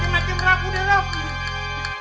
jangan makin makin ragu deh raffi